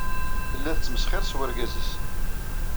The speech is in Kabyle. Tella tesmesxir s wergaz-nnes.